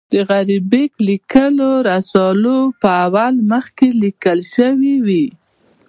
غریبک لیکلي رسالو پر اول مخ لیکل شوي.